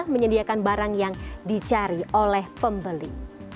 menyediakan barang yang dicari oleh pembeli